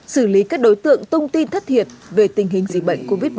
xử lý các đối tượng thông tin thất thiệt về tình hình dịch bệnh covid một mươi chín